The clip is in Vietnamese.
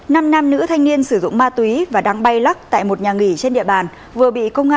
năm nam nữ thanh niên sử dụng ma túy và đang bay lắc tại một nhà nghỉ trên địa bàn